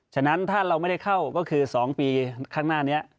ฉะนั้นถ้าเราไม่ได้เข้าก็คือ๒ปีข้างหน้านี้